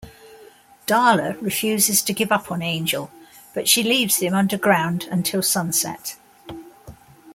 Darla refuses to give up on Angel, but she leaves him underground until sunset.